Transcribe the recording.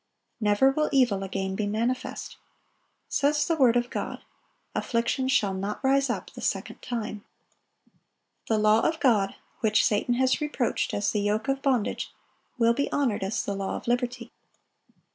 Never will evil again be manifest. Says the word of God, "Affliction shall not rise up the second time."(890) The law of God, which Satan has reproached as the yoke of bondage, will be honored as the law of liberty.